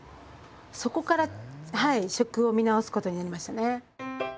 そこからはい食を見直すことになりましたね。